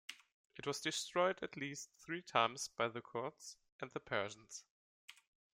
It was destroyed at least three times by the Kurds and the Persians.